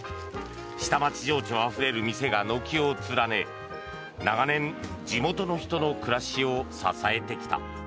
下町情緒あふれる店が軒を連ね長年、地元の人の暮らしを支えてきた。